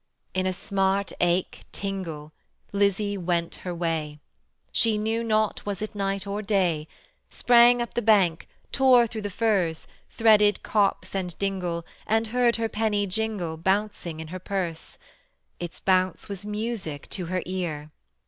In a smart, ache, tingle, Lizzie went her way; Knew not was it night or day; Sprang up the bank, tore through the furze, Threaded copse and dingle, And heard her penny jingle Bouncing in her purse, Its bounce was music to her ear.